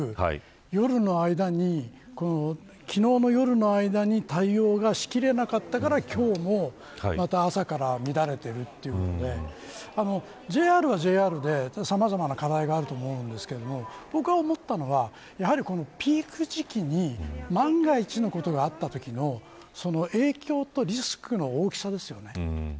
夜の間に昨日の夜の間に対応しきれなかったからまた今日も朝から乱れているということでＪＲはＪＲでさまざまな課題があると思うんですけど僕が思ったのは、やはりピーク時期に万が一のことがあったときの影響とリスクの大きさですよね。